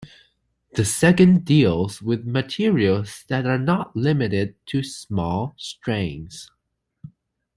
The second deals with materials that are not limited to small strains.